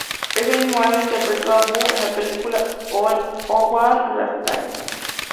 Ese mismo año interpretó a Bo en la película "One Last Thing".